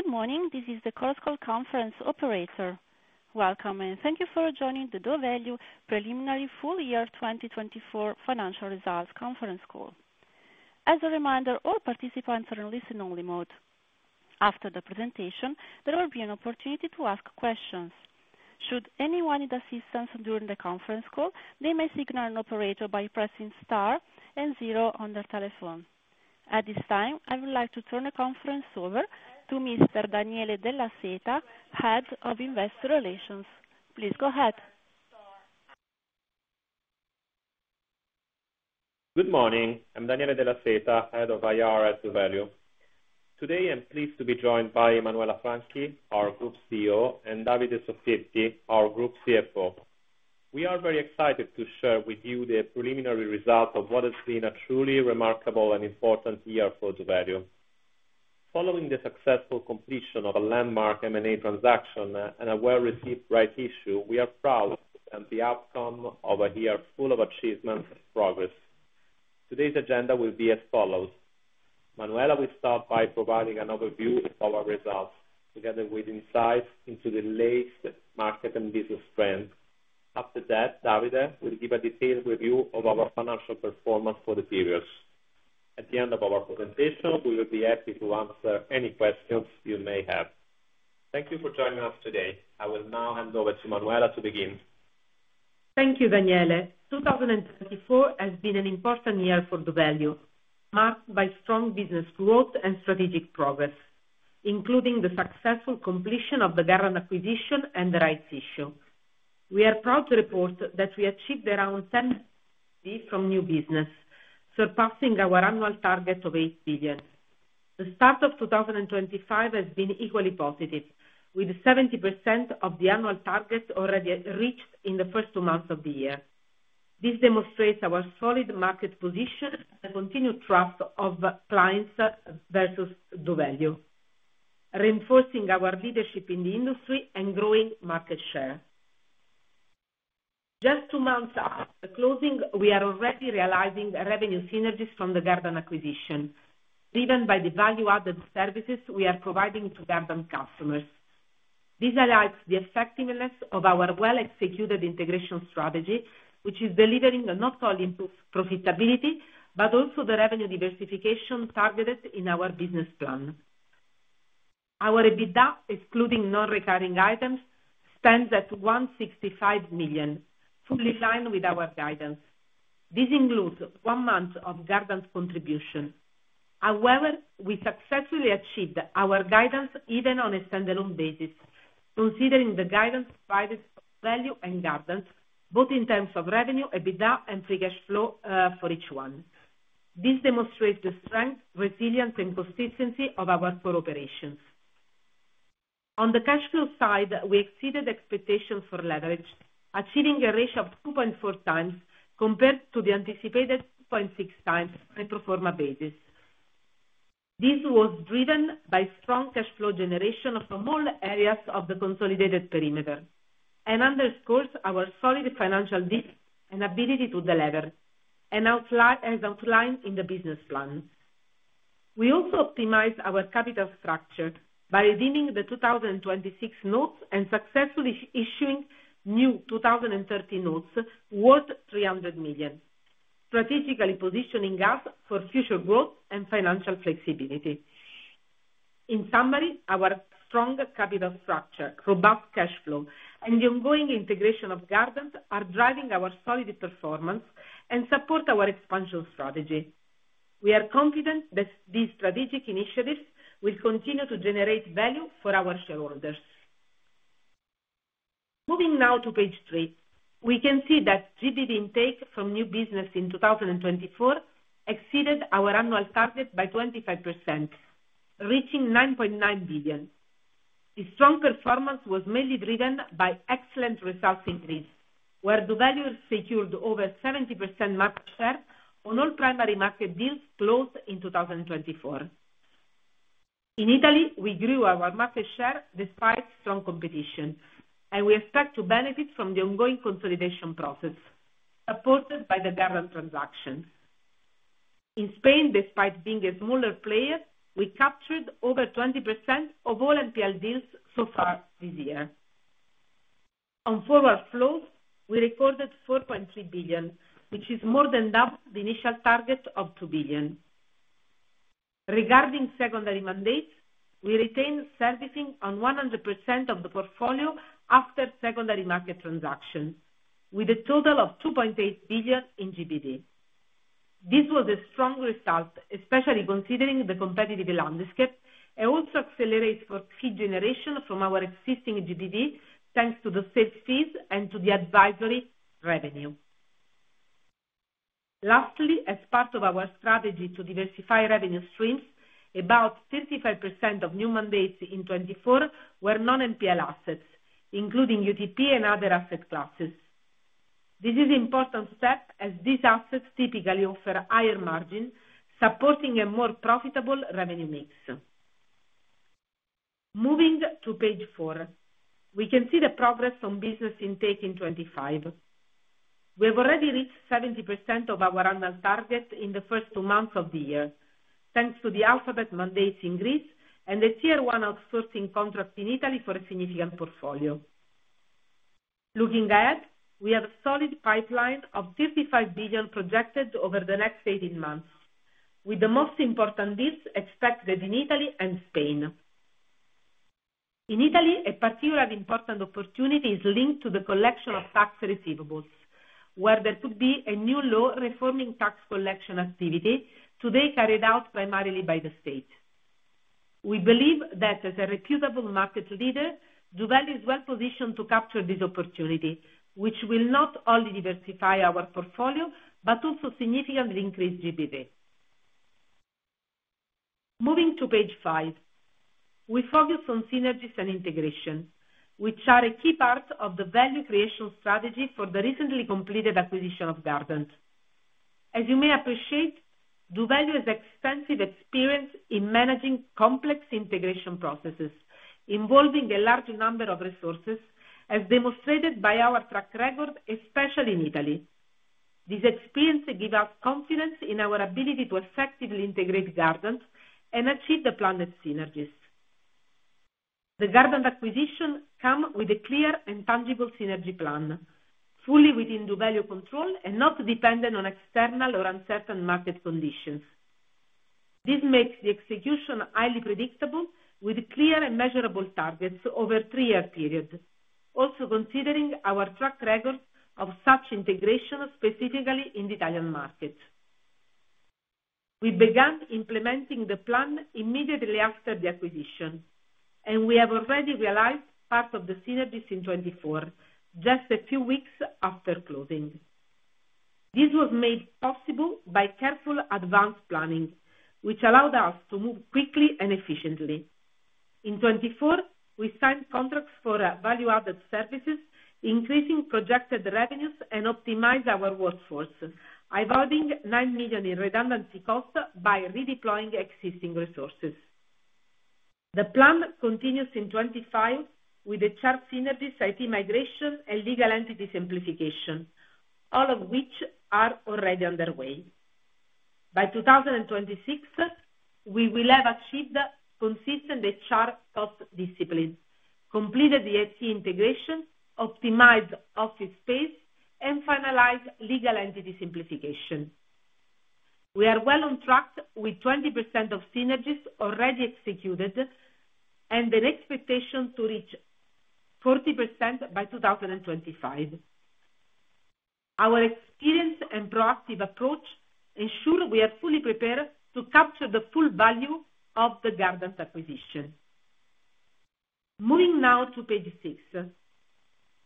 Good morning. This is the COSCO conference operator. Welcome, and thank you for joining the doValue Preliminary Full Year 2024 Financial Results Conference Call. As a reminder, all participants are in listen-only mode. After the presentation, there will be an opportunity to ask questions. Should anyone need assistance during the conference call, they may signal an operator by pressing star and zero on their telephone. At this time, I would like to turn the conference over to Mr. Daniele Della Seta, Head of Investor Relations. Please go ahead. Good morning. I'm Daniele Della Seta, Head of IR at doValue. Today, I'm pleased to be joined by Manuela Franchi, our Group CEO, and Davide Soffietti, our Group CFO. We are very excited to share with you the preliminary results of what has been a truly remarkable and important year for doValue. Following the successful completion of a landmark M&A transaction and a well-received right issue, we are proud to present the outcome of a year full of achievements and progress. Today's agenda will be as follows: Manuela will start by providing an overview of our results, together with insights into the latest market and business trends. After that, Davide will give a detailed review of our financial performance for the periods. At the end of our presentation, we will be happy to answer any questions you may have. Thank you for joining us today. I will now hand over to Manuela to begin. Thank you, Daniele. 2024 has been an important year for doValue, marked by strong business growth and strategic progress, including the successful completion of the Garant acquisition and the rights issue. We are proud to report that we achieved around 10 billion from new business, surpassing our annual target of 8 billion. The start of 2025 has been equally positive, with 70% of the annual target already reached in the first two months of the year. This demonstrates our solid market position and the continued trust of clients versus doValue, reinforcing our leadership in the industry and growing market share. Just two months after closing, we are already realizing revenue synergies from the Garant acquisition, driven by the value-added services we are providing to Garant customers. This highlights the effectiveness of our well-executed integration strategy, which is delivering not only profitability but also the revenue diversification targeted in our business plan. Our EBITDA, excluding non-recurring items, stands at 165 million, fully aligned with our guidance. This includes one month of Garant contribution. However, we successfully achieved our guidance even on a standalone basis, considering the guidance provided by doValue and Garant, both in terms of revenue, EBITDA, and free cash flow for each one. This demonstrates the strength, resilience, and consistency of our core operations. On the cash flow side, we exceeded expectations for leverage, achieving a ratio of 2.4x compared to the anticipated 2.6x on a pro forma basis. This was driven by strong cash flow generation from all areas of the consolidated perimeter, and underscores our solid financial discipline and ability to deliver, as outlined in the business plan. We also optimized our capital structure by redeeming the 2026 notes and successfully issuing new 2030 notes worth 300 million, strategically positioning us for future growth and financial flexibility. In summary, our strong capital structure, robust cash flow, and the ongoing integration of Garant are driving our solid performance and support our expansion strategy. We are confident that these strategic initiatives will continue to generate value for our shareholders. Moving now to page three, we can see that GBV intake from new business in 2024 exceeded our annual target by 25%, reaching 9.9 billion. The strong performance was mainly driven by excellent results in Greece, where doValue secured over 70% market share on all primary market deals closed in 2024. In Italy, we grew our market share despite strong competition, and we expect to benefit from the ongoing consolidation process, supported by the Garant transaction. In Spain, despite being a smaller player, we captured over 20% of all MPL deals so far this year. On forward flows, we recorded 4.3 billion, which is more than double the initial target of 2 billion. Regarding secondary mandates, we retained servicing on 100% of the portfolio after secondary market transactions, with a total of 2.8 billion in GBV. This was a strong result, especially considering the competitive landscape and also accelerates fee generation from our existing GBV, thanks to the sales fees and to the advisory revenue. Lastly, as part of our strategy to diversify revenue streams, about 35% of new mandates in 2024 were non-MPL assets, including UTP and other asset classes. This is an important step, as these assets typically offer higher margins, supporting a more profitable revenue mix. Moving to page four, we can see the progress on business intake in 2025. We have already reached 70% of our annual target in the first two months of the year, thanks to the alphabet mandates in Greece and the tier one outsourcing contract in Italy for a significant portfolio. Looking ahead, we have a solid pipeline of 35 billion projected over the next 18 months, with the most important deals expected in Italy and Spain. In Italy, a particularly important opportunity is linked to the collection of tax receivables, where there could be a new law reforming tax collection activity, today carried out primarily by the state. We believe that as a reputable market leader, doValue is well positioned to capture this opportunity, which will not only diversify our portfolio but also significantly increase GBV. Moving to page five, we focus on synergies and integration, which are a key part of the value creation strategy for the recently completed acquisition of Garant. As you may appreciate, doValue has extensive experience in managing complex integration processes involving a large number of resources, as demonstrated by our track record, especially in Italy. This experience gives us confidence in our ability to effectively integrate Garant and achieve the planned synergies. The Garant acquisition comes with a clear and tangible synergy plan, fully within doValue control and not dependent on external or uncertain market conditions. This makes the execution highly predictable, with clear and measurable targets over a three-year period, also considering our track record of such integration, specifically in the Italian market. We began implementing the plan immediately after the acquisition, and we have already realized part of the synergies in 2024, just a few weeks after closing. This was made possible by careful advance planning, which allowed us to move quickly and efficiently. In 2024, we signed contracts for value-added services, increasing projected revenues and optimizing our workforce, avoiding 9 million in redundancy costs by redeploying existing resources. The plan continues in 2025 with the CHARP synergies, IT migration, and legal entity simplification, all of which are already underway. By 2026, we will have achieved consistent HR cost discipline, completed the IT integration, optimized office space, and finalized legal entity simplification. We are well on track with 20% of synergies already executed and an expectation to reach 40% by 2025. Our experience and proactive approach ensure we are fully prepared to capture the full value of the Garant acquisition. Moving now to page six,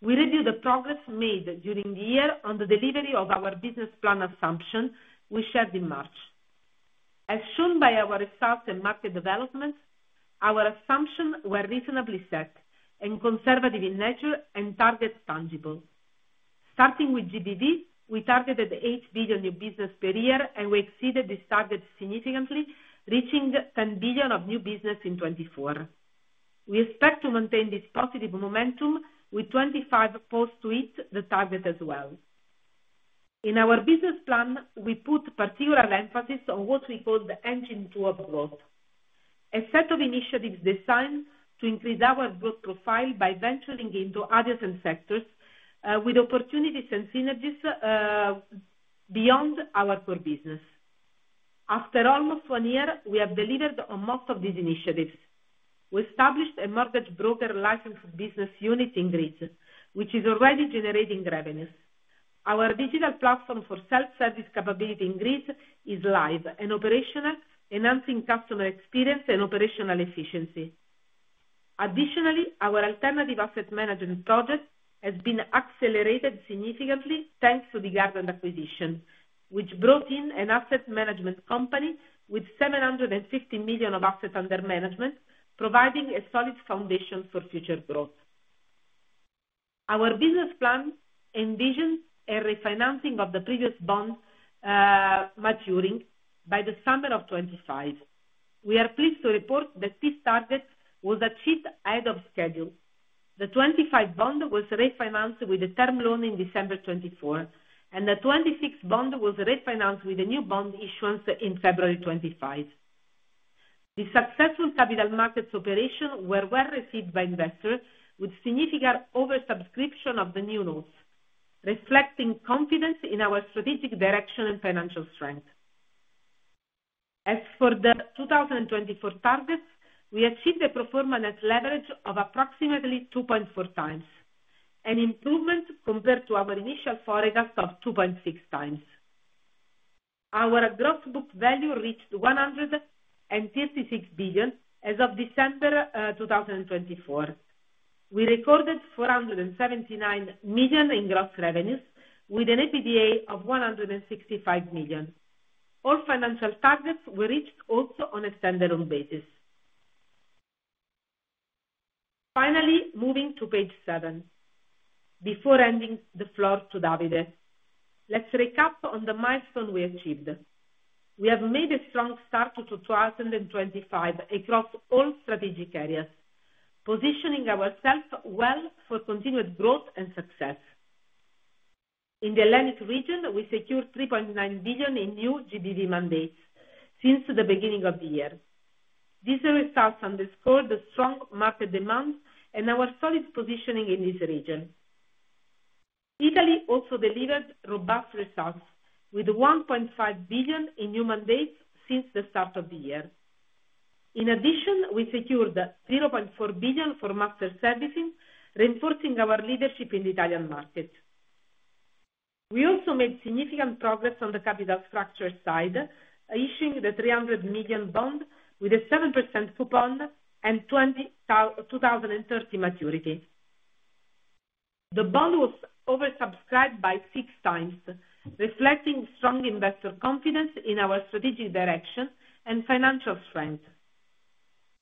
we review the progress made during the year on the delivery of our business plan assumption we shared in March. As shown by our results and market developments, our assumptions were reasonably set and conservative in nature and targets tangible. Starting with GDD, we targeted 8 billion new business per year, and we exceeded this target significantly, reaching 10 billion of new business in 2024. We expect to maintain this positive momentum with 2025 post-weight the target as well. In our business plan, we put particular emphasis on what we call the engine to our growth, a set of initiatives designed to increase our growth profile by venturing into adjacent sectors with opportunities and synergies beyond our core business. After almost one year, we have delivered on most of these initiatives. We established a mortgage broker licensed business unit in Greece, which is already generating revenues. Our digital platform for self-service capability in Greece is live and operational, enhancing customer experience and operational efficiency. Additionally, our alternative asset management project has been accelerated significantly thanks to the Garant acquisition, which brought in an asset management company with 750 million of assets under management, providing a solid foundation for future growth. Our business plan envisions a refinancing of the previous bond maturing by the summer of 2025. We are pleased to report that this target was achieved ahead of schedule. The 2025 bond was refinanced with a term loan in December 2024, and the 2026 bond was refinanced with a new bond issuance in February 2025. The successful capital markets operation was well received by investors, with significant oversubscription of the new notes, reflecting confidence in our strategic direction and financial strength. As for the 2024 targets, we achieved a performance leverage of approximately 2.4x, an improvement compared to our initial forecast of 2.6x. Our gross book value reached 136 billion as of December 2024. We recorded 479 million in gross revenues, with an EBITDA of 165 million. All financial targets were reached also on a standalone basis. Finally, moving to page seven, before handing the floor to Davide, let's recap on the milestone we achieved. We have made a strong start to 2025 across all strategic areas, positioning ourselves well for continued growth and success. In the Hellenic region, we secured 3.9 billion in new GBV mandates since the beginning of the year. These results underscored the strong market demand and our solid positioning in this region. Italy also delivered robust results, with 1.5 billion in new mandates since the start of the year. In addition, we secured 0.4 billion for master services, reinforcing our leadership in the Italian market. We also made significant progress on the capital structure side, issuing the 300 million bond with a 7% coupon and 2030 maturity. The bond was oversubscribed by six times, reflecting strong investor confidence in our strategic direction and financial strength.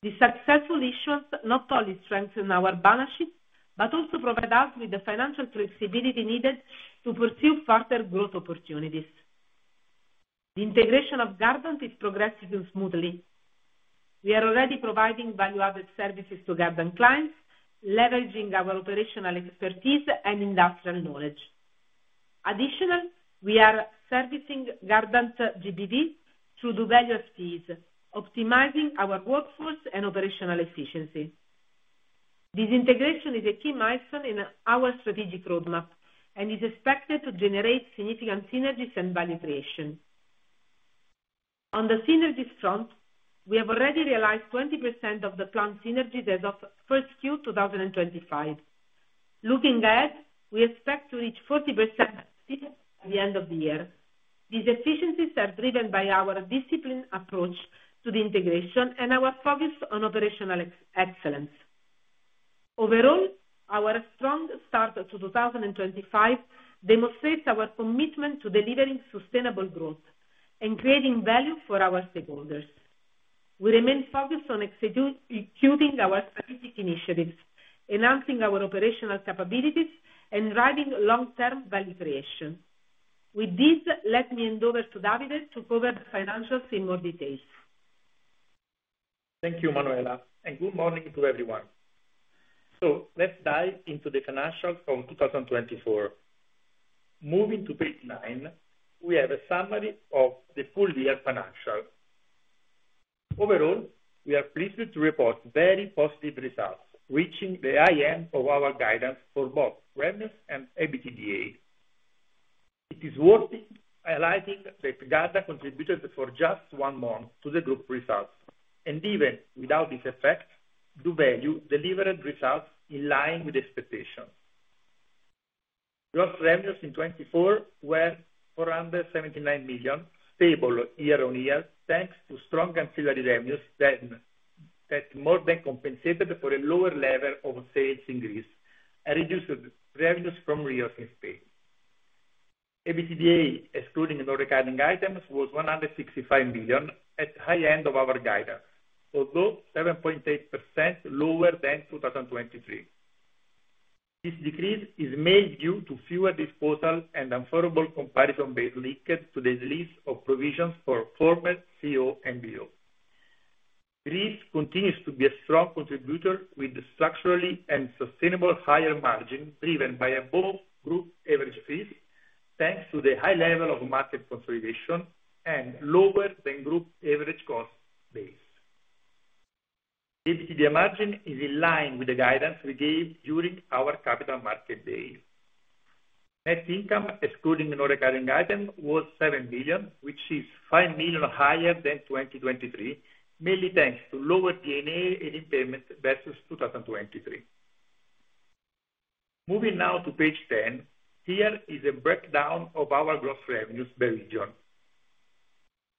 The successful issuance not only strengthened our balance sheet but also provided us with the financial flexibility needed to pursue further growth opportunities. The integration of Garant is progressing smoothly. We are already providing value-added services to Garant clients, leveraging our operational expertise and industrial knowledge. Additionally, we are servicing Garant GDD through doValue FTEs, optimizing our workforce and operational efficiency. This integration is a key milestone in our strategic roadmap and is expected to generate significant synergies and value creation. On the synergies front, we have already realized 20% of the planned synergies as of first Q2025. Looking ahead, we expect to reach 40% by the end of the year. These efficiencies are driven by our disciplined approach to the integration and our focus on operational excellence. Overall, our strong start to 2025 demonstrates our commitment to delivering sustainable growth and creating value for our stakeholders. We remain focused on executing our strategic initiatives, enhancing our operational capabilities, and driving long-term value creation. With this, let me hand over to Davide to cover the financials in more detail. Thank you, Manuela, and good morning to everyone. Let's dive into the financials from 2024. Moving to page nine, we have a summary of the full year financials. Overall, we are pleased to report very positive results, reaching the high end of our guidance for both revenues and EBITDA. It is worth highlighting that Garant contributed for just one month to the group results, and even without this effect, doValue delivered results in line with expectations. Gross revenues in 2024 were 479 million, stable year on year, thanks to strong ancillary revenues that more than compensated for a lower level of sales in Greece and reduced revenues from RIOS in Spain. EBITDA, excluding non-recurring items, was 165 million, at the high end of our guidance, although 7.8% lower than 2023. This decrease is mainly due to fewer disposals and unfavorable comparison-based linkage to the release of provisions for former CEO and BO. Greece continues to be a strong contributor with structurally and sustainably higher margin driven by both group average fees, thanks to the high level of market consolidation and lower than group average cost base. The EBITDA margin is in line with the guidance we gave during our capital market days. Net income, excluding non-recurring items, was 7 million, which is 5 million higher than 2023, mainly thanks to lower D&A and improvement versus 2023. Moving now to page ten, here is a breakdown of our gross revenues by region.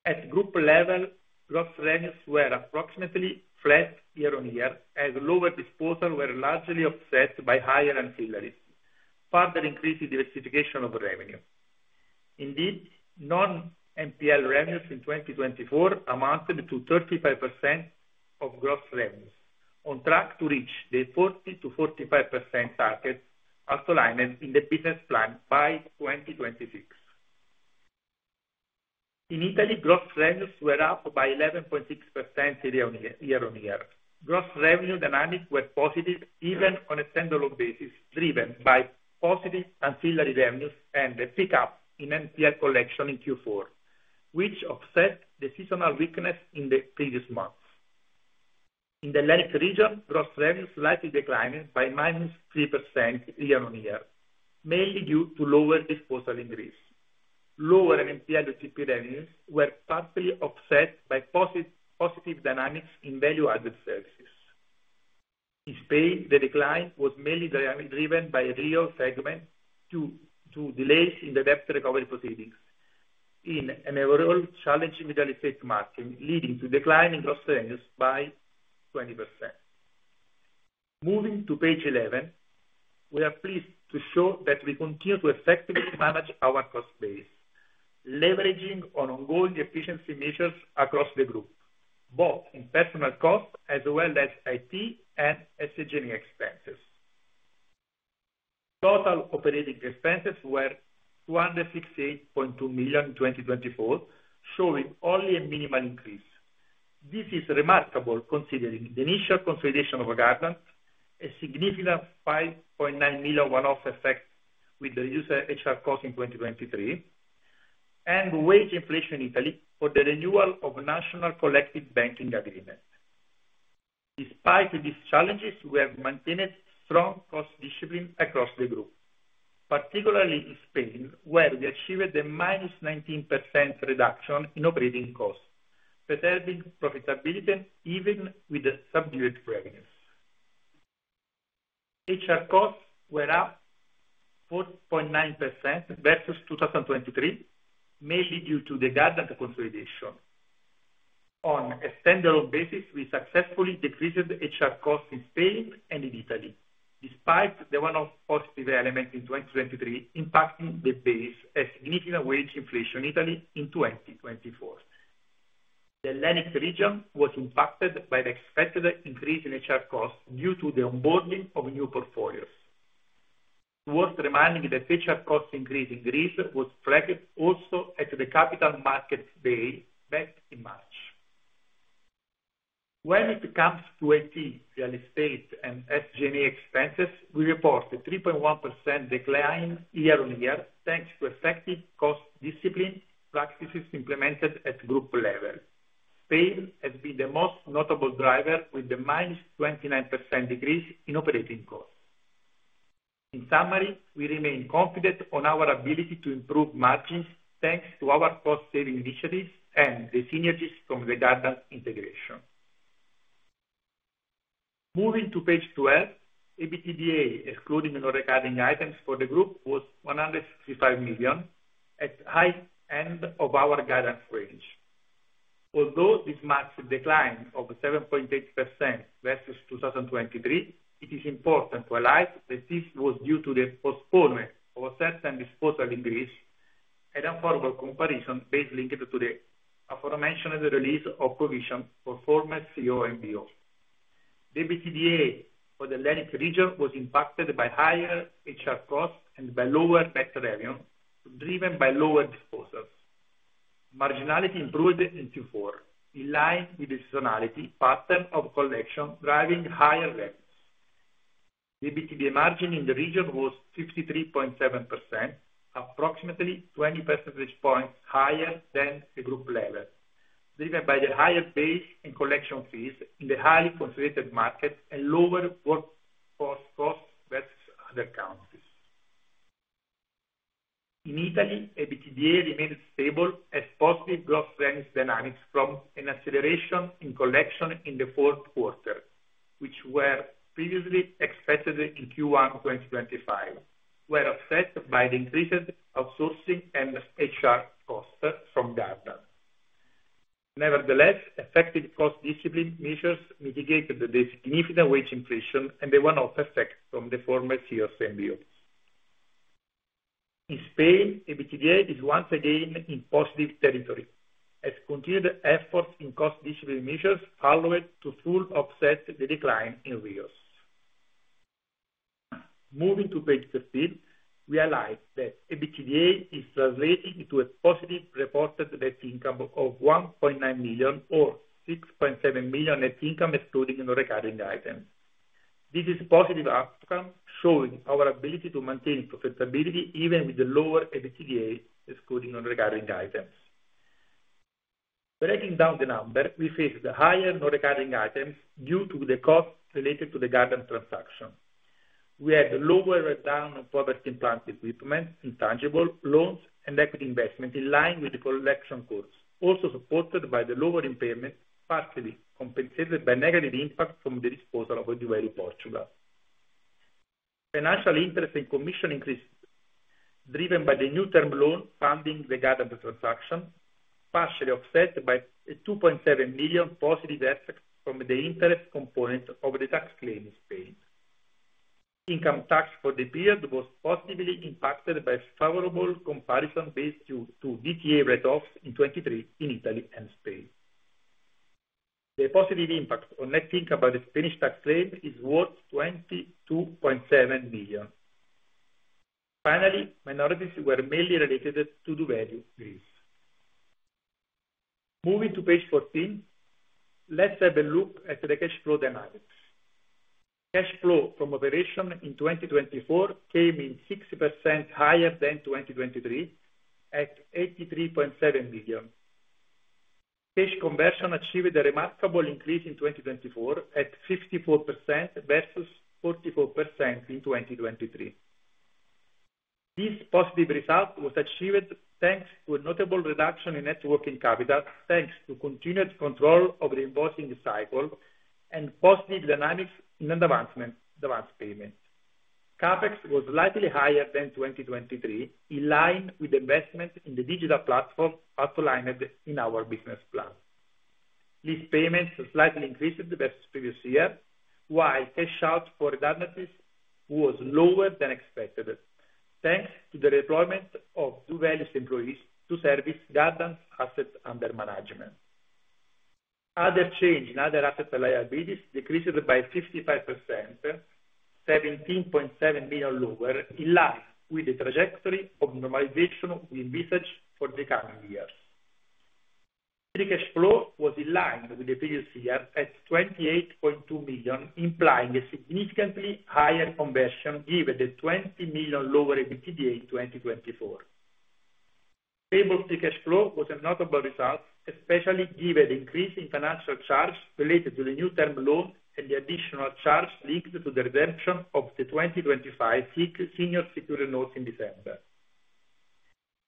At group level, gross revenues were approximately flat year on year, as lower disposals were largely offset by higher ancillaries, further increasing diversification of revenue. Indeed, non-MPL revenues in 2024 amounted to 35% of gross revenues, on track to reach the 40% to 45% target outlined in the business plan by 2026. In Italy, gross revenues were up by 11.6% year on year. Gross revenue dynamics were positive even on a standalone basis, driven by positive ancillary revenues and the pickup in MPL collection in Q4, which offset the seasonal weakness in the previous months. In the Hellenic region, gross revenues slightly declined by -3% year on year, mainly due to lower disposal in Greece. Lower MPL GP revenues were partially offset by positive dynamics in value-added services. In Spain, the decline was mainly driven by the RIOS segment due to delays in the debt recovery proceedings in an overall challenging real estate market, leading to a decline in gross revenues by 20%. Moving to page 11, we are pleased to show that we continue to effectively manage our cost base, leveraging ongoing efficiency measures across the group, both in personnel costs as well as IT and SLG expenses. Total operating expenses were 268.2 million in 2024, showing only a minimal increase. This is remarkable considering the initial consolidation of Garant, a significant 5.9 million one-off effect with the reduced HR costs in 2023, and wage inflation in Italy for the renewal of national collective banking agreement. Despite these challenges, we have maintained strong cost discipline across the group, particularly in Spain, where we achieved a -19% reduction in operating costs, preserving profitability even with subdued revenues. HR costs were up 4.9% versus 2023, mainly due to the Garant consolidation. On a standalone basis, we successfully decreased HR costs in Spain and in Italy, despite the one-off positive element in 2023 impacting the base, a significant wage inflation in Italy in 2024. The Hellenic region was impacted by the expected increase in HR costs due to the onboarding of new portfolios. It was remarkable that HR cost increase in Greece was reflected also at the capital market day back in March. When it comes to IT, real estate, and SLG expenses, we reported a 3.1% decline year on year, thanks to effective cost discipline practices implemented at group level. Spain has been the most notable driver, with a minus 29% increase in operating costs. In summary, we remain confident in our ability to improve margins thanks to our cost-saving initiatives and the synergies from the Garant integration. Moving to page 12, EBITDA, excluding no recurring items for the group, was 165 million, at the high end of our guidance range. Although this marks a decline of 7.8% versus 2023, it is important to highlight that this was due to the postponement of a certain disposal in Greece and unfavorable comparison based linkage to the aforementioned release of provisions for former CEO and BO. The EBITDA for the Hellenic region was impacted by higher HR costs and by lower net revenue, driven by lower disposals. Marginality improved in Q4, in line with the seasonality pattern of collection, driving higher revenues. The EBITDA margin in the region was 53.7%, approximately 20 percentage points higher than the group level, driven by the higher base and collection fees in the highly consolidated market and lower workforce costs versus other countries. In Italy, EBITDA remained stable as positive gross revenue dynamics from an acceleration in collection in the fourth quarter, which were previously expected in Q1 2025, were offset by the increased outsourcing and HR costs from Garant. Nevertheless, effective cost discipline measures mitigated the significant wage inflation and the one-off effect from the former CEOs and BOs. In Spain, EBITDA is once again in positive territory, as continued efforts in cost discipline measures followed to fully offset the decline in RIOS. Moving to page 13, we highlight that EBITDA is translating into a positive reported net income of 1.9 million or 6.7 million net income, excluding non-recurring items. This is a positive outcome, showing our ability to maintain profitability even with the lower EBITDA, excluding non-recurring items. Breaking down the number, we face the higher non-recurring items due to the costs related to the Garant transaction. We had a lower redundancy on poverty-implied equipment, intangible loans, and equity investment in line with the collection costs, also supported by the lower impayment, partially compensated by negative impact from the disposal of doValue Portugal. Financial interest and commission increases, driven by the new term loan funding the Garant transaction, partially offset by a 2.7 million positive effect from the interest component of the tax claim in Spain. Income tax for the period was positively impacted by favorable comparison-based due to DTA write-offs in 2023 in Italy and Spain. The positive impact on net income by the Spanish tax claim is worth 22.7 million. Finally, minorities were mainly related to doValue Greece. Moving to page 14, let's have a look at the cash flow dynamics. Cash flow from operation in 2024 came in 6% higher than 2023, at 83.7 million. Cash conversion achieved a remarkable increase in 2024, at 54% versus 44% in 2023. This positive result was achieved thanks to a notable reduction in net working capital, thanks to continued control of the invoicing cycle and positive dynamics in advance payment. CapEx was slightly higher than 2023, in line with investment in the digital platform outlined in our business plan. Lease payments slightly increased versus previous year, while cash out for redundancies was lower than expected, thanks to the deployment of doValue employees to service Garant assets under management. Other change in other assets and liabilities decreased by 55%, 17.7 million lower, in line with the trajectory of normalization we envisaged for the coming years. Cash flow was in line with the previous year, at 28.2 million, implying a significantly higher conversion given the 20 million lower EBITDA in 2024. Stable cash flow was a notable result, especially given the increase in financial charge related to the new term loan and the additional charge linked to the redemption of the 2025 SIC senior security notes in December.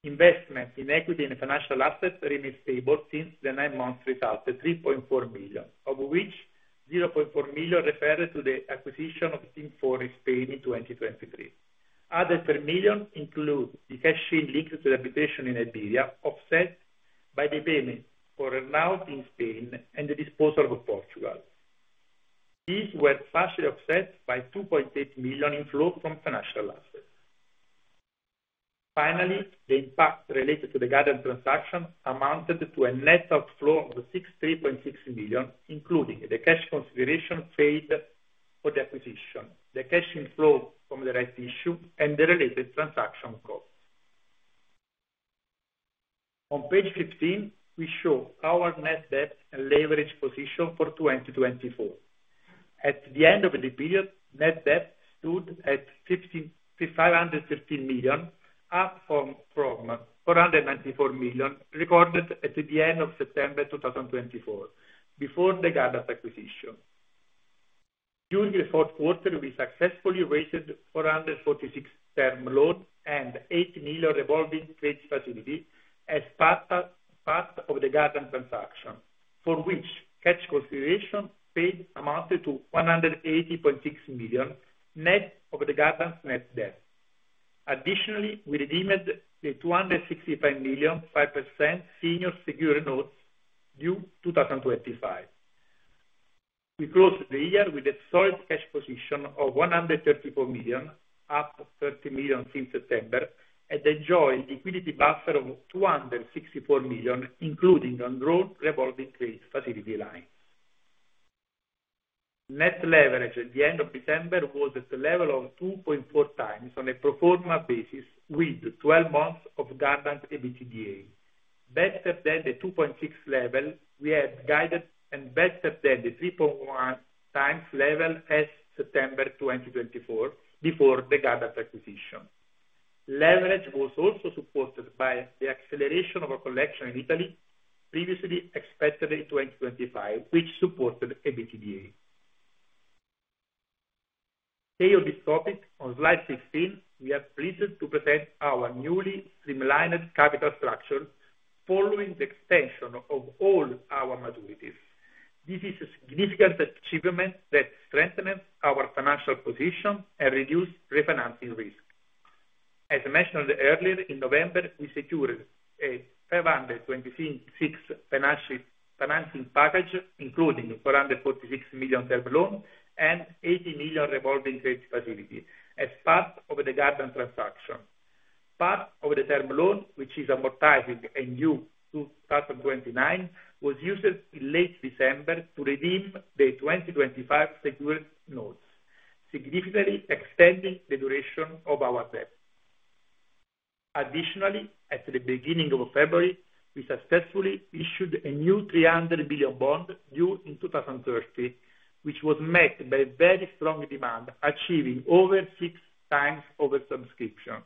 Investment in equity and financial assets remained stable since the nine-month result, 3.4 million, of which 0.4 million referred to the acquisition of Team4 in Spain in 2023. Other 10 million include the cash in linkage to the application in Iberia, offset by the payments for Renault in Spain and the disposal of Portugal. These were partially offset by 2.8 million in flow from financial assets. Finally, the impact related to the Garant transaction amounted to a net outflow of 63.6 million, including the cash consideration paid for the acquisition, the cash inflow from the right issue, and the related transaction costs. On page 15, we show our net debt and leverage position for 2024. At the end of the period, net debt stood at 513 million, up from 494 million recorded at the end of September 2024, before the Garant acquisition. During the fourth quarter, we successfully raised 446 million term loans and 8 million revolving trade facility as part of the Garant transaction, for which cash consideration paid amounted to 180.6 million, net of the Garant net debt. Additionally, we redeemed the 265.5 million senior security notes due in 2025. We closed the year with a solid cash position of 134 million, up 30 million since September, and enjoyed a liquidity buffer of 264 million, including undrawn revolving trade facility lines. Net leverage at the end of December was at a level of 2.4x on a proforma basis, with 12 months of Garant EBITDA, better than the 2.6 level we had guided and better than the 3.1x level as of September 2024, before the Garant acquisition. Leverage was also supported by the acceleration of a collection in Italy previously expected in 2025, which supported EBITDA. Pay of this topic, on slide 16, we are pleased to present our newly streamlined capital structure following the extension of all our maturities. This is a significant achievement that strengthens our financial position and reduces refinancing risk. As mentioned earlier, in November, we secured a 526 million financing package, including a 446 million term loan and a 80 million revolving trade facility, as part of the Garant transaction. Part of the term loan, which is amortizing and due in 2029, was used in late December to redeem the 2025 security notes, significantly extending the duration of our debt. Additionally, at the beginning of February, we successfully issued a new 300 million bond due in 2030, which was met by very strong demand, achieving over six times oversubscription.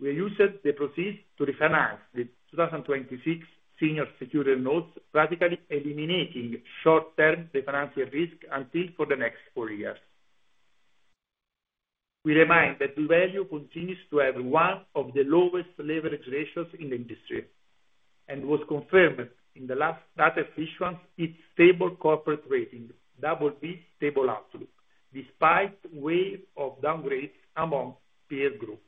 We used the proceeds to refinance the 2026 senior security notes, radically eliminating short-term refinancing risk for the next four years. We remind that doValue continues to have one of the lowest leverage ratios in the industry and was confirmed in the last statisticians its stable corporate rating, double B stable outlook, despite wave of downgrades among peer groups.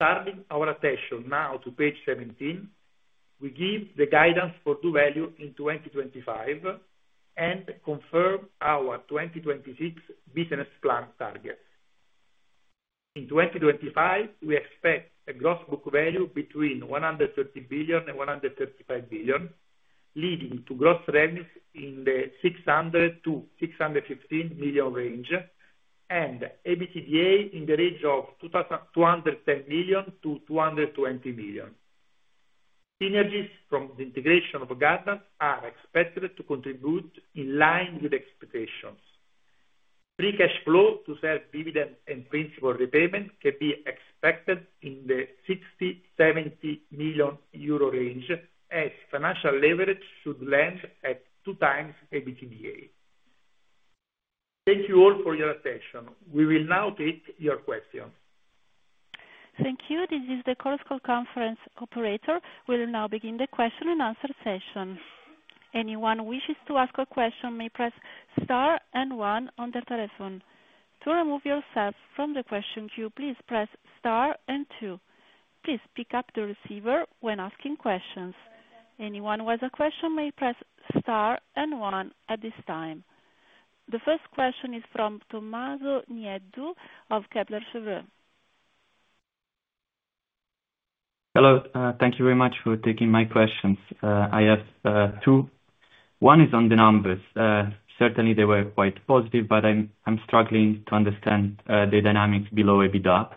Turning our attention now to page 17, we give the guidance for doValue in 2025 and confirm our 2026 business plan targets. In 2025, we expect a gross book value between 130 billion and 135 billion, leading to gross revenues in the 600 million-615 million range and EBITDA in the range of 210 million-220 million. Synergies from the integration of Garant are expected to contribute in line with expectations. Free cash flow to serve dividend and principal repayment can be expected in the 60 million-70 million euro range, as financial leverage should land at two times EBITDA. Thank you all for your attention. We will now take your questions. Thank you. This is the Colossal Conference operator. We will now begin the question and answer session. Anyone who wishes to ask a question may press star and one on the telephone. To remove yourself from the question queue, please press star and two. Please pick up the receiver when asking questions. Anyone who has a question may press star and one at this time. The first question is from Tommaso Nieddu of Kepler Cheuvreux. Hello. Thank you very much for taking my questions. I have two. One is on the numbers. Certainly, they were quite positive, but I'm struggling to understand the dynamics below EBITDA.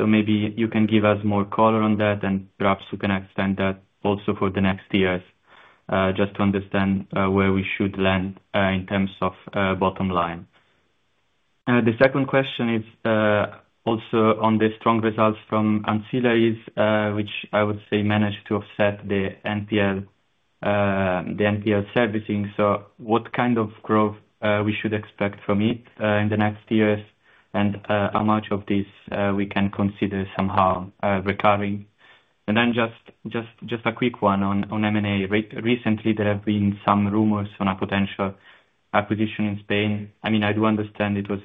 Maybe you can give us more color on that, and perhaps we can extend that also for the next years, just to understand where we should land in terms of bottom line. The second question is also on the strong results from Ancillary, which I would say managed to offset the NPL servicing. What kind of growth should we expect from it in the next years, and how much of this can we consider somehow recovering. Just a quick one on M&A. Recently, there have been some rumors on a potential acquisition in Spain. I mean, I do understand it was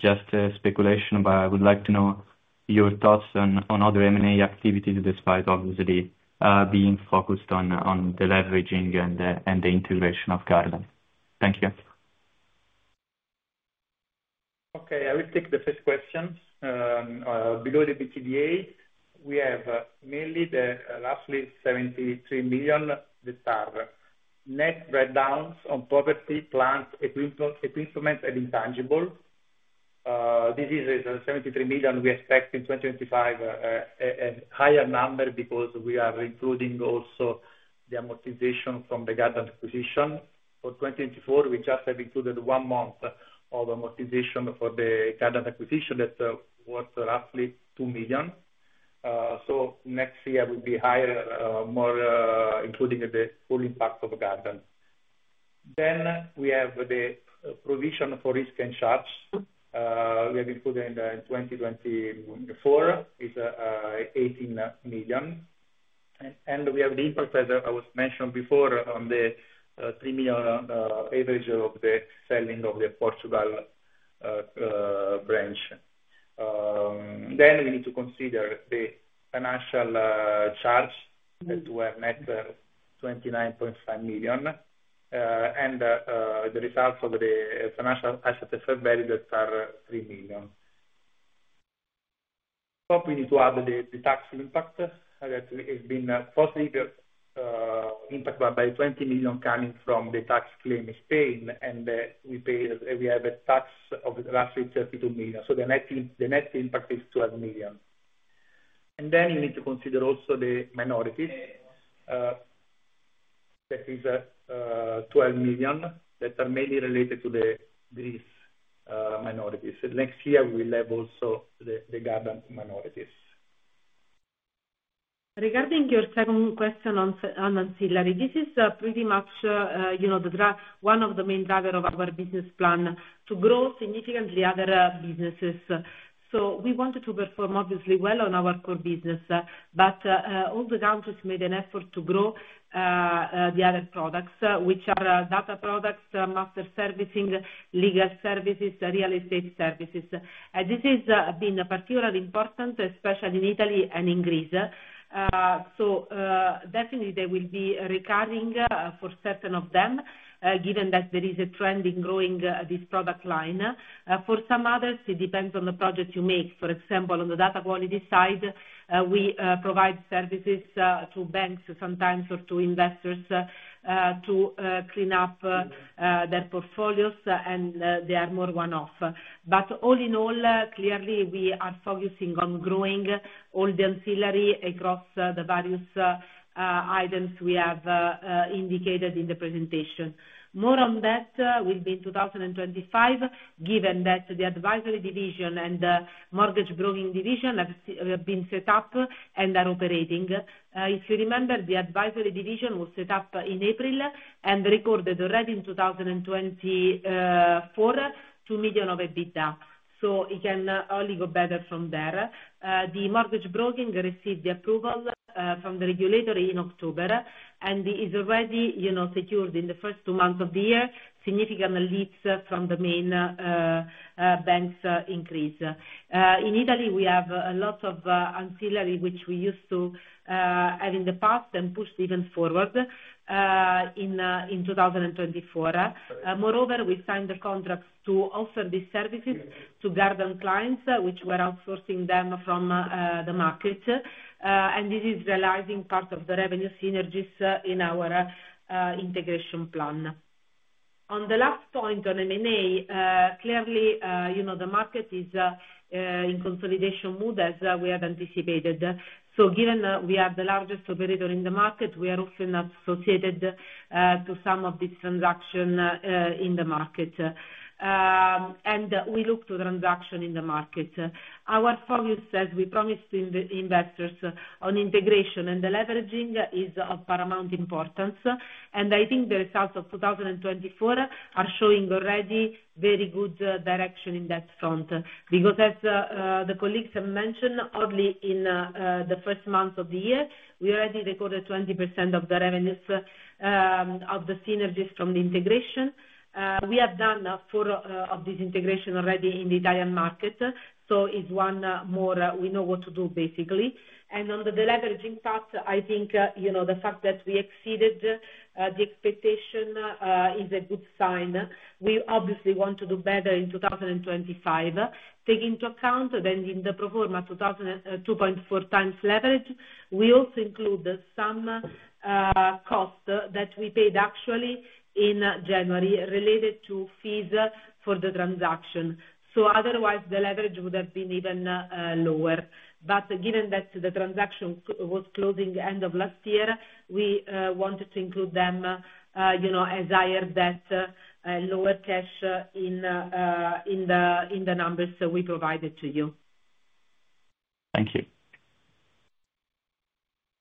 just speculation, but I would like to know your thoughts on other M&A activities, despite obviously being focused on the leveraging and the integration of Garant. Thank you. Okay. I will take the first question. Below EBITDA, we have mainly the lastly, 73 million the tar. Net breakdowns on property, plants, equipment, and intangible. This is 73 million. We expect in 2025 a higher number because we are including also the amortization from the Garant acquisition. For 2024, we just have included one month of amortization for the Garant acquisition that was roughly 2 million. Next year will be higher, including the full impact of Garant. We have the provision for risk and charge. We have included in 2024 is 18 million. We have the interest that I was mentioning before on the 3 million average of the selling of the Portugal branch. We need to consider the financial charge that we have net 29.5 million, and the results of the financial assets are very good, are 3 million. We need to add the tax impact that has been positive impact by 20 million coming from the tax claim in Spain, and we have a tax of roughly 32 million. The net impact is 12 million. You need to consider also the minorities. That is 12 million that are mainly related to these minorities. Next year, we will have also the Garant minorities. Regarding your second question on Ancillary, this is pretty much one of the main drivers of our business plan to grow significantly other businesses. We wanted to perform obviously well on our core business, but all the countries made an effort to grow the other products, which are data products, master servicing, legal services, real estate services. This has been particularly important, especially in Italy and in Greece. They will be recurring for certain of them, given that there is a trend in growing this product line. For some others, it depends on the project you make. For example, on the data quality side, we provide services to banks sometimes or to investors to clean up their portfolios, and they are more one-off. All in all, clearly, we are focusing on growing all the ancillary across the various items we have indicated in the presentation. More on that will be in 2025, given that the advisory division and the mortgage broking division have been set up and are operating. If you remember, the advisory division was set up in April and recorded already in 2024, EUR 2 million of EBITDA. It can only go better from there. The mortgage broking received the approval from the regulatory in October, and it has already secured in the first two months of the year significant leads from the main banks increase. In Italy, we have lots of ancillary, which we used to have in the past and pushed even forward in 2024. Moreover, we signed the contracts to offer these services to Garant clients, which were outsourcing them from the market. This is realizing part of the revenue synergies in our integration plan. On the last point on M&A, clearly, the market is in consolidation mood, as we have anticipated. Given we are the largest operator in the market, we are often associated to some of these transactions in the market. We look to transactions in the market. Our focus, as we promised to investors, on integration and deleveraging is of paramount importance. I think the results of 2024 are showing already very good direction in that front. As the colleagues have mentioned, only in the first month of the year, we already recorded 20% of the revenues of the synergies from the integration. We have done four of these integrations already in the Italian market. It is one more; we know what to do, basically. On the leveraging part, I think the fact that we exceeded the expectation is a good sign. We obviously want to do better in 2025. Taking into account that in the proforma 2.4x leverage, we also include some costs that we paid actually in January related to fees for the transaction. Otherwise, the leverage would have been even lower. Given that the transaction was closing end of last year, we wanted to include them as higher debt, lower cash in the numbers we provided to you. Thank you.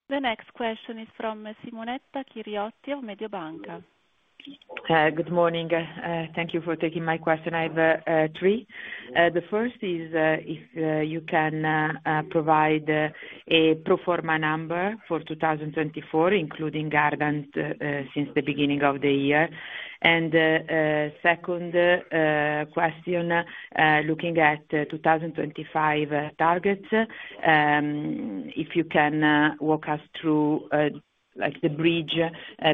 The next question is from Simonetta Chiriotti of Mediobanca. Hi, good morning. Thank you for taking my question. I have three. The first is if you can provide a proforma number for 2024, including Garant since the beginning of the year. Second question, looking at 2025 targets, if you can walk us through the bridge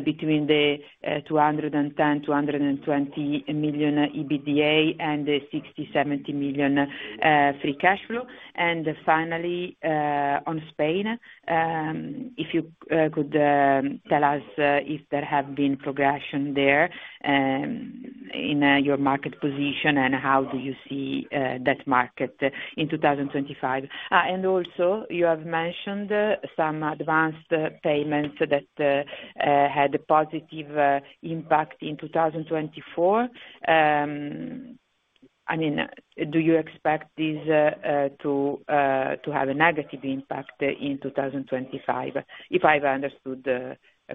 between the 210-220 million EBITDA and the 60-70 million free cash flow. Finally, on Spain, if you could tell us if there has been progression there in your market position and how you see that market in 2025. Also, you have mentioned some advanced payments that had a positive impact in 2024. I mean, do you expect this to have a negative impact in 2025, if I have understood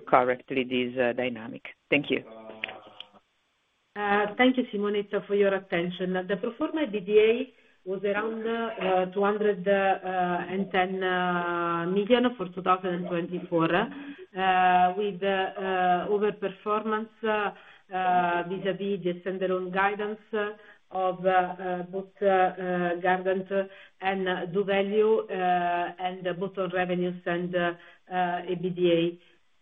correctly this dynamic? Thank you. Thank you, Simonetta, for your attention. The proforma EBITDA was around 210 million for 2024, with overperformance vis-à-vis the standalone guidance of both Garant and doValue and both on revenues and EBITDA.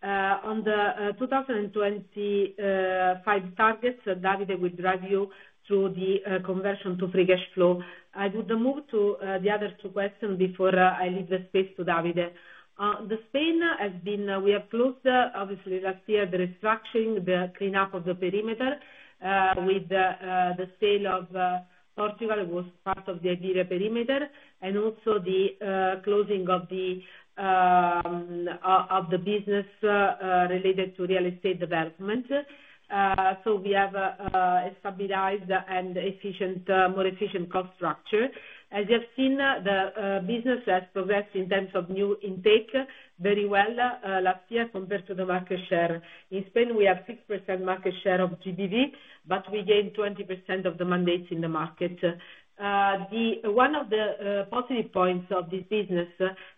On the 2025 targets, Davide will drive you through the conversion to free cash flow. I would move to the other two questions before I leave the space to Davide. Spain has been, we have closed, obviously, last year, the restructuring, the cleanup of the perimeter with the sale of Portugal, which was part of the Iberia perimeter, and also the closing of the business related to real estate development. We have a stabilized and more efficient cost structure. As you have seen, the business has progressed in terms of new intake very well last year compared to the market share. In Spain, we have 6% market share of GBV, but we gained 20% of the mandates in the market. One of the positive points of this business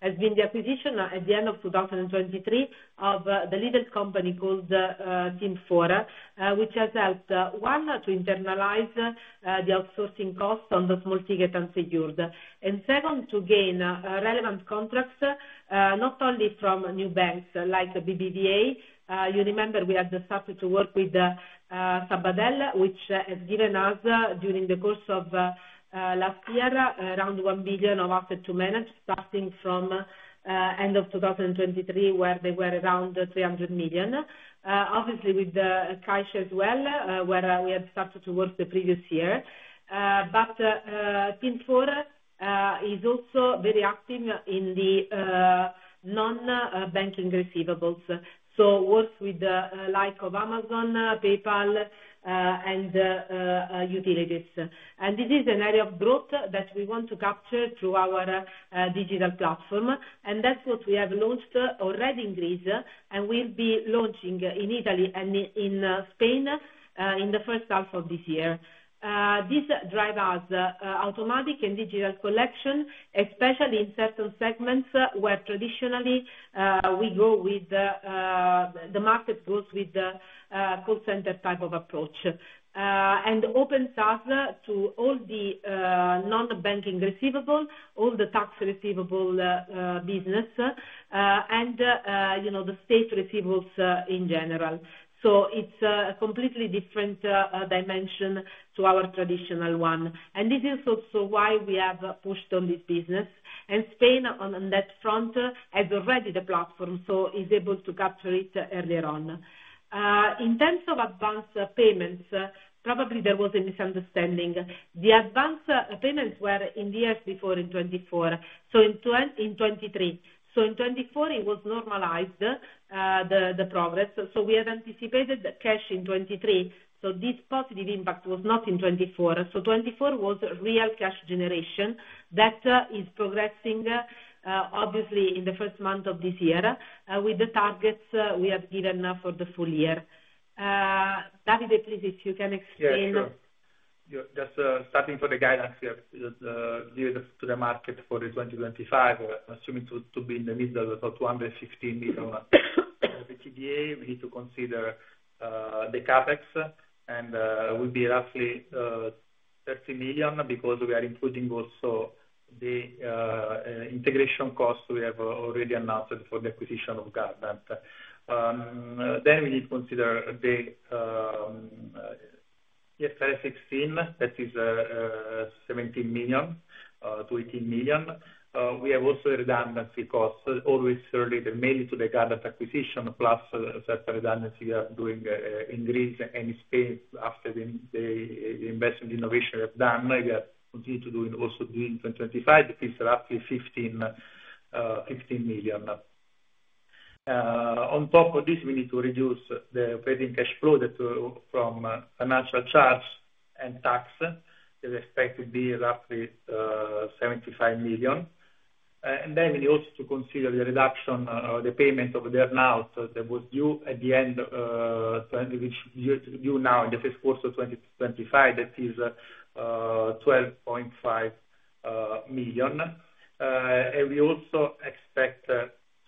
has been the acquisition at the end of 2023 of the little company called Team4, which has helped, one, to internalize the outsourcing costs on the small ticket and secured. Second, to gain relevant contracts, not only from new banks like BBVA. You remember we had started to work with Sabadell, which has given us, during the course of last year, around 1 billion of assets to manage, starting from the end of 2023, where they were around 300 million. Obviously, with CAIXA as well, where we had started to work the previous year. Team four is also very active in the non-banking receivables. Works with the likes of Amazon, PayPal, and utilities. This is an area of growth that we want to capture through our digital platform. That is what we have launched already in Greece and will be launching in Italy and in Spain in the first half of this year. This drives us automatic and digital collection, especially in certain segments where traditionally we go with the market goes with the call center type of approach. It opens us to all the non-banking receivable, all the tax receivable business, and the state receivables in general. It is a completely different dimension to our traditional one. This is also why we have pushed on this business. Spain, on that front, has already the platform, so it is able to capture it earlier on. In terms of advanced payments, probably there was a misunderstanding. The advanced payments were in the years before in 2024, so in 2023. In 2024, it was normalized, the progress. We have anticipated the cash in 2023. This positive impact was not in 2024. Twenty twenty-four was real cash generation that is progressing, obviously, in the first month of this year, with the targets we have given for the full year. Davide, please, if you can explain. Yes. Just starting for the guidance, the view to the market for 2025, assuming to be in the middle of 215 million EBITDA, we need to consider the CapEx, and it will be roughly 30 million because we are including also the integration cost we have already announced for the acquisition of Garant. We need to consider the IFRS 16, that is 17 million-18 million. We have also redundancy costs, always related mainly to the Garant acquisition, plus certain redundancy we are doing in Greece and Spain after the investment innovation we have done. We are continuing to do it also in 2025. It is roughly 15 million. On top of this, we need to reduce the operating cash flow from financial charge and tax. The expected be roughly 75 million. We need also to consider the reduction of the payment of the earn-out that was due at the end, which is due now in the fiscal course of 2025, that is 12.5 million. We also expect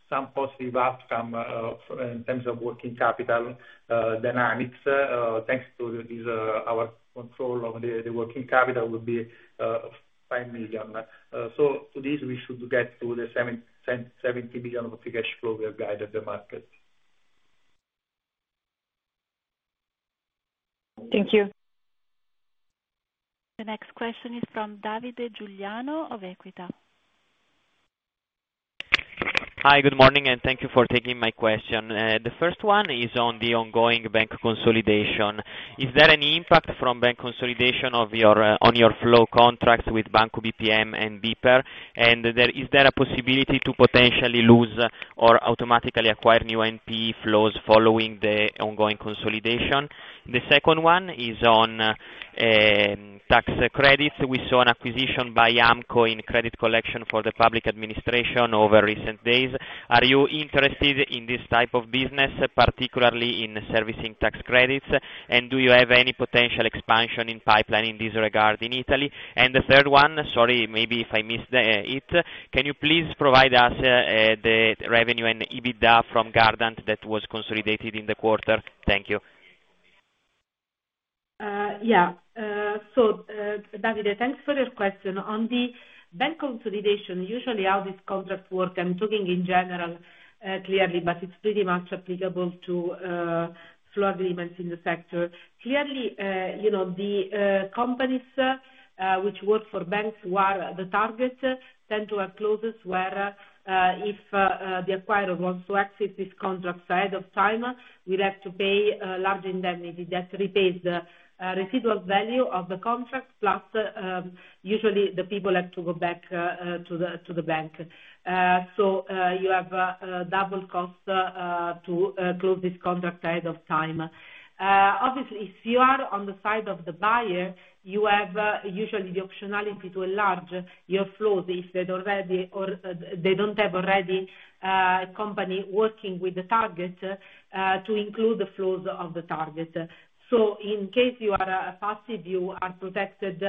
some positive outcome in terms of working capital dynamics. Thanks to our control of the working capital, it will be 5 million. To this, we should get to the 70 million of free cash flow we have guided the market. Thank you. The next question is from Davide Giuliano of EQUITA. Hi, good morning, and thank you for taking my question. The first one is on the ongoing bank consolidation. Is there any impact from bank consolidation on your flow contracts with Banco BPM and BPER? Is there a possibility to potentially lose or automatically acquire new NPE flows following the ongoing consolidation? The second one is on tax credits. We saw an acquisition by AMCO in credit collection for the public administration over recent days. Are you interested in this type of business, particularly in servicing tax credits? Do you have any potential expansion in pipeline in this regard in Italy? The third one, sorry, maybe if I missed it, can you please provide us the revenue and EBITDA from Garant that was consolidated in the quarter? Thank you. Yeah. Davide, thanks for your question. On the bank consolidation, usually how these contracts work, I'm talking in general clearly, but it's pretty much applicable to floor agreements in the sector. Clearly, the companies which work for banks who are the target tend to have clauses where if the acquirer wants to exit these contracts ahead of time, we have to pay a large indemnity that repays the residual value of the contract, plus usually the people have to go back to the bank. You have a double cost to close this contract ahead of time. Obviously, if you are on the side of the buyer, you have usually the optionality to enlarge your flows if they do not have already a company working with the target to include the flows of the target. In case you are a passive, you are protected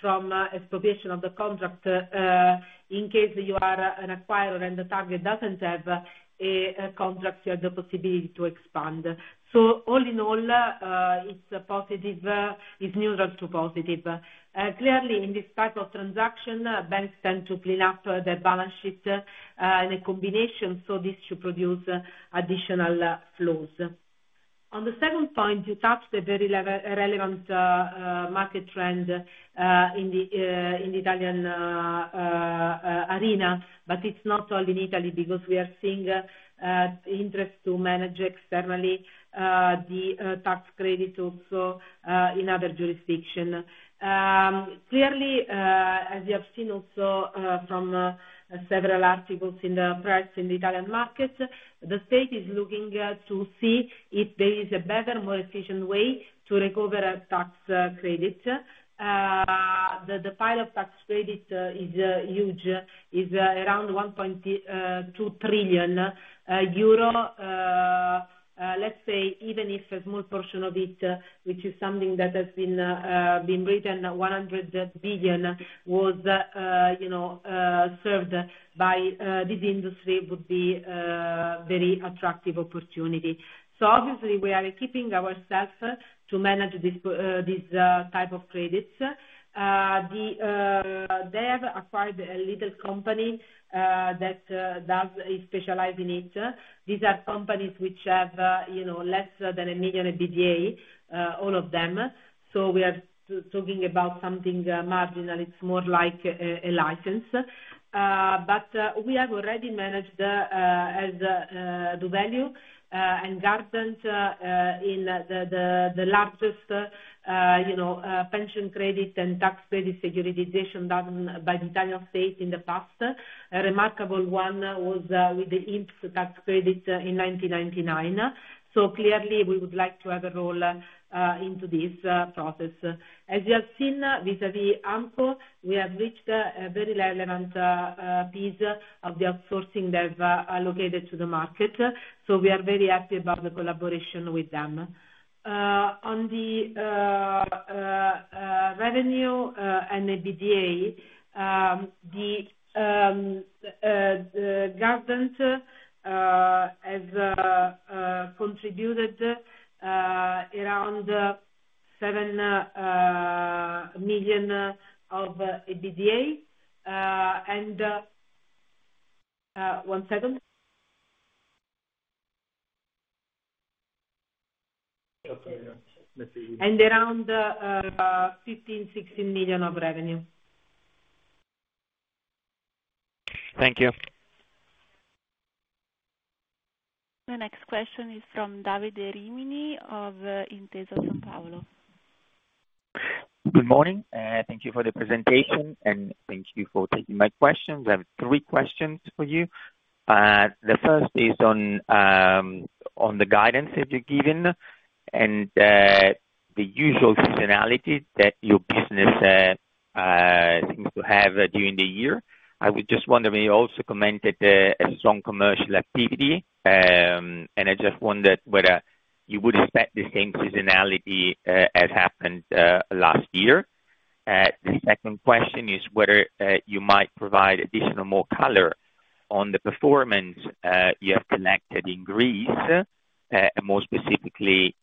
from expropriation of the contract. In case you are an acquirer and the target does not have a contract, you have the possibility to expand. All in all, it is positive, it is neutral to positive. Clearly, in this type of transaction, banks tend to clean up their balance sheet in a combination, so this should produce additional flows. On the second point, you touched a very relevant market trend in the Italian arena, but it is not all in Italy because we are seeing interest to manage externally the tax credits also in other jurisdictions. Clearly, as you have seen also from several articles in the press in the Italian market, the state is looking to see if there is a better, more efficient way to recover a tax credit. The pile of tax credit is huge. It is around 1.2 trillion euro. Let's say even if a small portion of it, which is something that has been written, 100 billion was served by this industry, it would be a very attractive opportunity. Obviously, we are equipping ourselves to manage this type of credits. They have acquired a little company that does specialize in it. These are companies which have less than 1 million EBITDA, all of them. We are talking about something marginal. It is more like a license. We have already managed as doValue and Garant in the largest pension credit and tax credit securitization done by the Italian state in the past. A remarkable one was with the IMPS tax credit in 1999. Clearly, we would like to have a role into this process. As you have seen, vis-à-vis AMCO, we have reached a very relevant piece of the outsourcing they have allocated to the market. We are very happy about the collaboration with them. On the revenue and EBITDA, Garant has contributed around EUR 7 million of EBITDA. One second. And around 15-16 million of revenue. Thank you. The next question is from Davide Rimini of Intesa Sanpaolo. Good morning. Thank you for the presentation, and thank you for taking my questions. I have three questions for you. The first is on the guidance that you've given and the usual seasonality that your business seems to have during the year. I would just wonder, you also commented a strong commercial activity, and I just wondered whether you would expect the same seasonality as happened last year. The second question is whether you might provide additional more color on the performance you have collected in Greece, and more specifically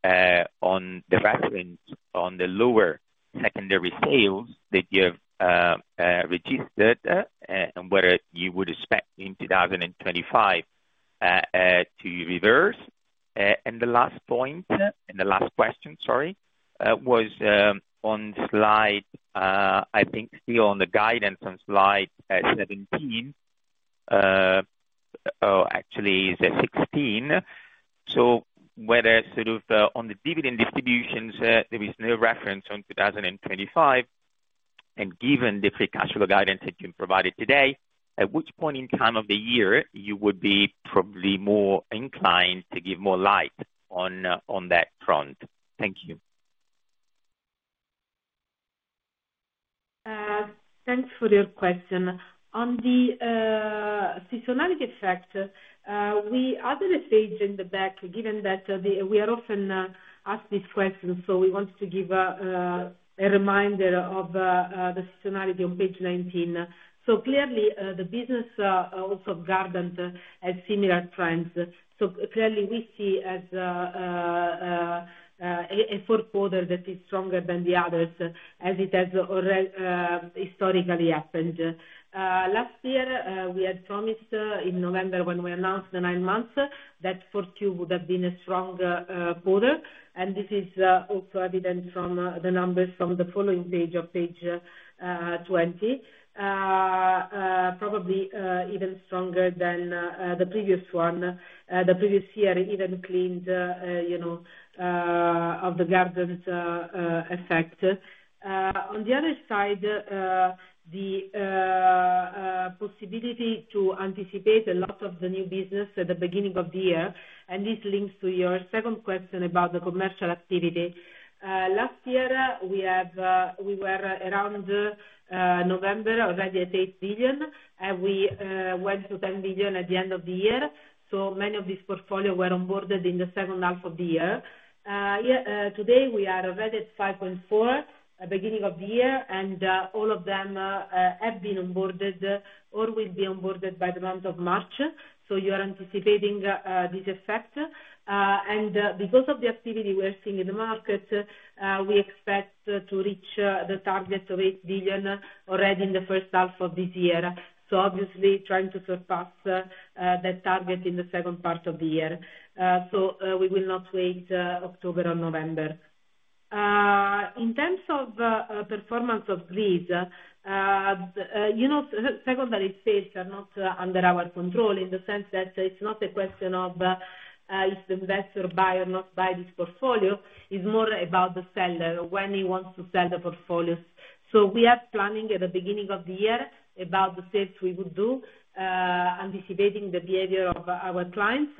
on the reference on the lower secondary sales that you have registered, and whether you would expect in 2025 to reverse. The last point, and the last question, sorry, was on slide, I think still on the guidance on slide 17, or actually is 16. Whether sort of on the dividend distributions, there is no reference on 2025, and given the free cash flow guidance that you provided today, at which point in time of the year you would be probably more inclined to give more light on that front? Thank you. Thanks for your question. On the seasonality factor, we are at the page in the back, given that we are often asked this question, so we want to give a reminder of the seasonality on page 19. Clearly, the business also of Garant has similar trends. Clearly, we see as a foreclosure that is stronger than the others, as it has already historically happened. Last year, we had promised in November when we announced the nine months that Q4 would have been a strong quarter, and this is also evident from the numbers from the following page of page 20, probably even stronger than the previous one. The previous year even cleaned of the Garant effect. On the other side, the possibility to anticipate a lot of the new business at the beginning of the year, and this links to your second question about the commercial activity. Last year, we were around November already at 8 billion, and we went to 10 billion at the end of the year. Many of these portfolios were onboarded in the second half of the year. Today, we are already at 5.4 billion at the beginning of the year, and all of them have been onboarded or will be onboarded by the month of March. You are anticipating this effect. Because of the activity we are seeing in the market, we expect to reach the target of 8 billion already in the first half of this year. Obviously, trying to surpass that target in the second part of the year. We will not wait until October or November. In terms of performance of Greece, secondary sales are not under our control in the sense that it is not a question of if the investor buys or does not buy this portfolio. It is more about the seller, when he wants to sell the portfolios. We are planning at the beginning of the year about the sales we would do, anticipating the behavior of our clients.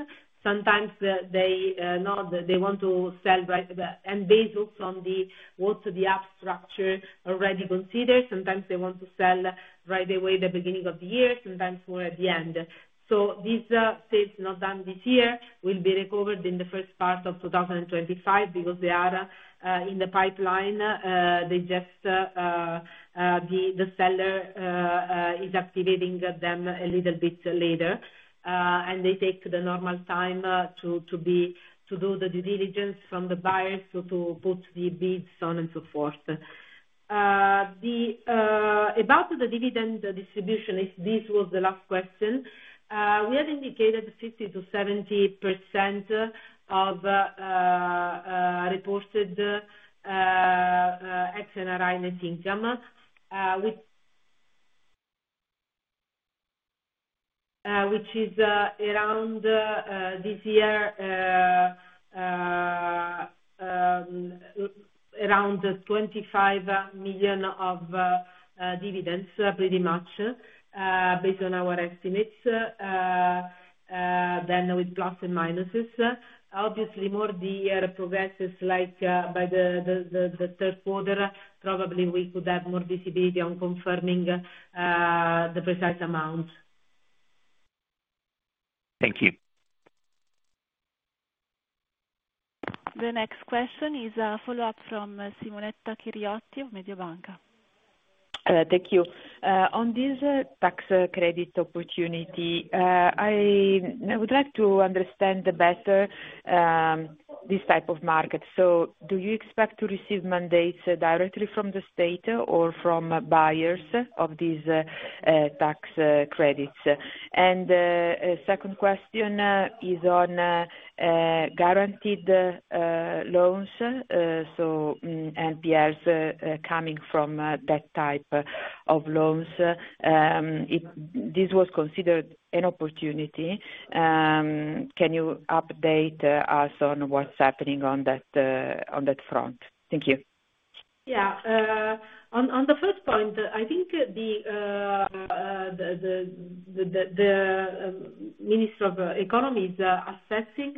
Sometimes they want to sell right away, and based also on what the app structure already considers, sometimes they want to sell right away at the beginning of the year, sometimes more at the end. These sales not done this year will be recovered in the first part of 2025 because they are in the pipeline. They just, the seller is activating them a little bit later, and they take the normal time to do the due diligence from the buyers to put the bids on and so forth. About the dividend distribution, if this was the last question, we have indicated 50% to 70% of reported excellent income, which is around this year, around 25 million of dividends, pretty much, based on our estimates. Then with plus and minuses. Obviously, more the year progresses, like by the third quarter, probably we could have more visibility on confirming the precise amount. Thank you. The next question is a follow-up from Simonetta Chiriotti of Mediobanca. Thank you. On this tax credit opportunity, I would like to understand better this type of market. Do you expect to receive mandates directly from the state or from buyers of these tax credits? The second question is on guaranteed loans, so NPLs coming from that type of loans. This was considered an opportunity. Can you update us on what's happening on that front? Thank you. Yeah. On the first point, I think the Minister of Economy is assessing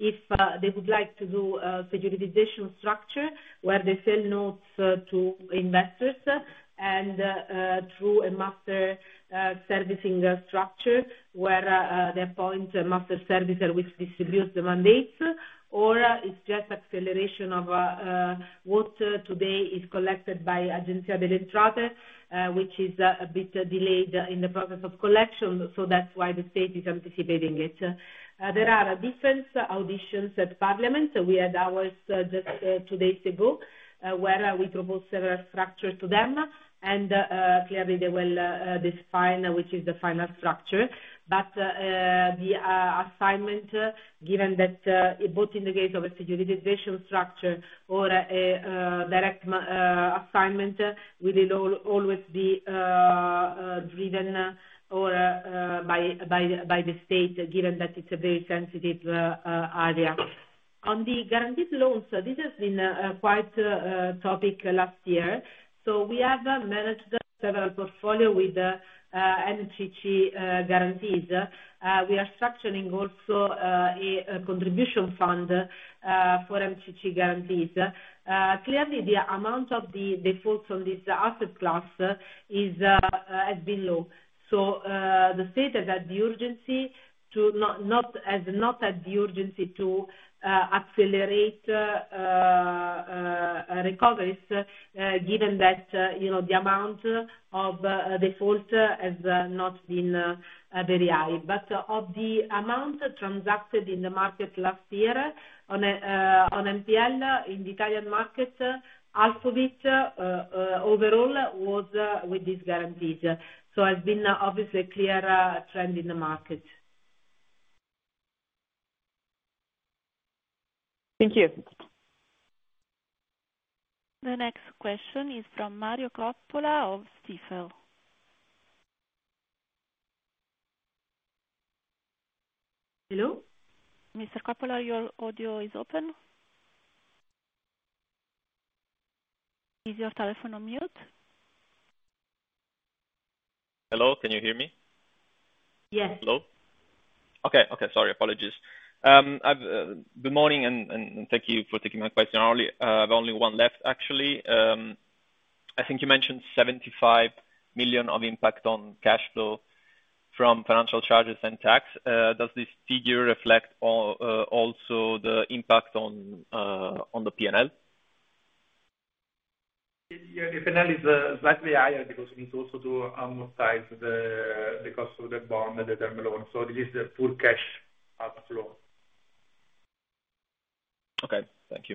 if they would like to do a securitization structure where they sell notes to investors and through a master servicing structure where they appoint a master servicer which distributes the mandates, or it is just acceleration of what today is collected by Agenzia delle Entrate, which is a bit delayed in the process of collection, so that is why the state is anticipating it. There are different auditions at Parliament. We had ours just two days ago where we proposed several structures to them, and clearly they will define which is the final structure. The assignment, given that both in the case of a securitization structure or a direct assignment, will always be driven by the state, given that it is a very sensitive area. On the guaranteed loans, this has been quite a topic last year. We have managed several portfolios with MCC guarantees. We are structuring also a contribution fund for MCC guarantees. Clearly, the amount of the defaults on this asset class has been low. The state has had the urgency to not have the urgency to accelerate recoveries, given that the amount of default has not been very high. Of the amount transacted in the market last year on MPL in the Italian market, half of it overall was with these guarantees. It has been obviously a clear trend in the market. Thank you. The next question is from Mario Coppola of Stifel. Hello? Mr. Coppola, your audio is open. Is your telephone on mute? Hello, can you hear me? Yes. Hello? Okay, okay. Sorry, apologies. Good morning, and thank you for taking my question early. I have only one left, actually. I think you mentioned 75 million of impact on cash flow from financial charges and tax. Does this figure reflect also the impact on the P&L? Yeah, the P&L is slightly higher because it needs also to amortize the cost of the bond and the term loan. This is the full cash outflow. Okay. Thank you.